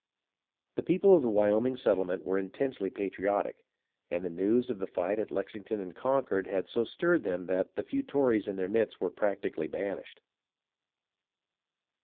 The people of the Wyoming settlement were intensely patriotic, and the news of the fight at Lexington and Con cord had so stirred them that the few Tories in their midst were practically banished.